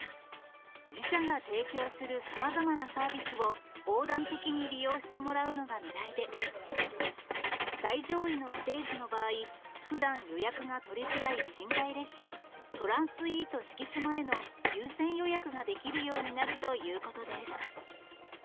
自社が提供するさまざまなサービスを、横断的に利用してもらうのがねらいで、最上位のステージの場合、ふだん、予約が取りづらい、トランスイート四季島への優先予約ができるようになるということです。